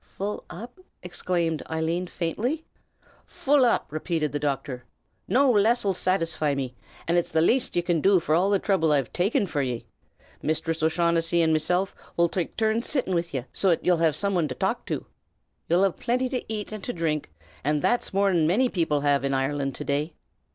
"Full up?" exclaimed Eileen, faintly. "Full up!" repeated the doctor. "No less'll satisfy me, and it's the laste ye can do for all the throuble I've taken forr ye. Misthress O'Shaughnessy an' mesilf 'ull take turns sittin' wid ye, so 'at ye'll have some wan to talk to. Ye'll have plinty to ate an' to dhrink, an' that's more than manny people have in Ireland this day.